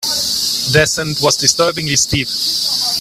The descent was disturbingly steep.